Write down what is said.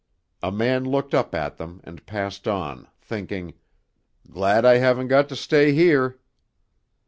A man looked up at them and passed on, thinking, 'Glad I haven't got to stay here.'